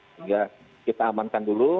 sehingga kita amankan dulu